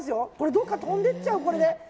どこか飛んで行っちゃう！